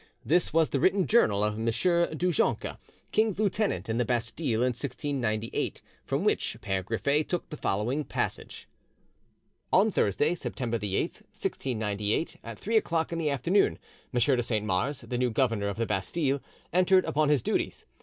This was the written journal of M. du Jonca, King's Lieutenant in the Bastille in 1698, from which Pere Griffet took the following passage:— "On Thursday, September the 8th, 1698, at three o'clock in the afternoon, M. de Saint Mars, the new governor of the Bastille, entered upon his duties.